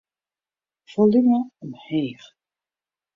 Folume omheech.